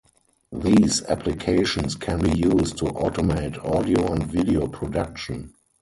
These applications can be used to automate audio and video production.